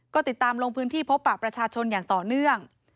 ก็ติดตามลงพื้นที่พบปากประชาชนอย่างต่อเนื่อง